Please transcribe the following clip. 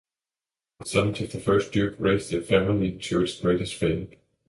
The sons of the first duke raised the family to its greatest fame.